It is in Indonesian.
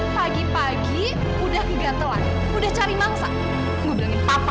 pagi pagi udah kegatelan udah cari mangsa ngundangin papa